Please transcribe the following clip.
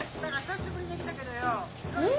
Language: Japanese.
うん！